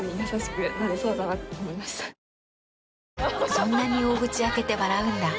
そんなに大口開けて笑うんだ。